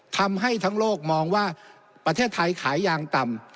ทำให้ทั้งโลกมองว่าประเทศไทยขายยางต่ำ